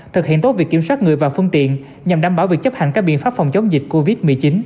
thực hiện tốt việc kiểm soát người và phương tiện nhằm đảm bảo việc chấp hành các biện pháp phòng chống dịch covid một mươi chín